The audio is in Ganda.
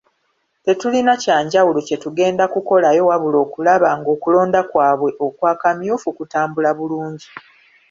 Tetulina kya njawulo kye tugenda kukolayo wabula okulaba ng'okulonda kwabwe okwa kamyufu kutambula bulungi.